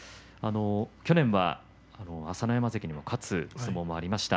去年は朝乃山関にも勝つ相撲がありました。